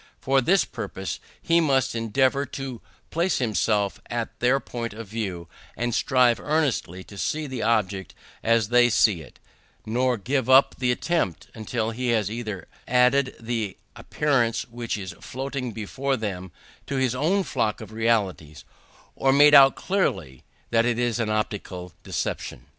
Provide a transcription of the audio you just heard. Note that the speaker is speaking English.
For this purpose he must endeavour to place himself at their point of view, and strive earnestly to see the object as they see it; nor give up the attempt until he has either added the appearance which is floating before them to his own stock of realities, or made out clearly that it is an optical deception.